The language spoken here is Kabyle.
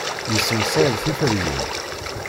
Yessemsed tiferyin.